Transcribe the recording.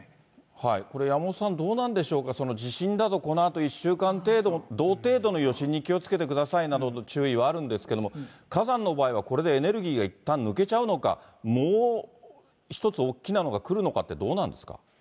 これ、山元さん、どうなんでしょうか、その地震だとこのあと１週間程度、同程度の余震に気をつけてくださいなどの注意はあるんですけれども、火山の場合はこれでエネルギーがいったん抜けちゃうのか、もう１つ、大きなものが来るのかって、どうなんですか。